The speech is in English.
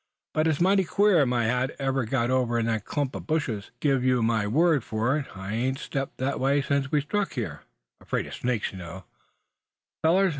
"But it's mighty queer how my hat ever got over in that clump of bushes. Give you my word for it, I ain't stepped that way since we struck here; afraid of snakes, you know, fellers.